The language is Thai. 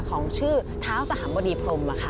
ของชื่อท้าวสะหรัมบดีพรมค่ะ